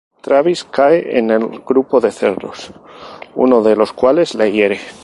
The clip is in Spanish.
Travis cae en el grupo de cerdos, uno de los cuales le hiere.